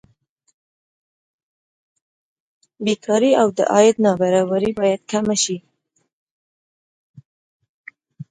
بېکاري او د عاید نابرابري باید کمه شي.